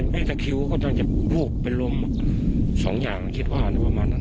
ไม่จากคิวก็ต้องจะลูบไปลมสองอย่างคิดว่าประมาณนั้น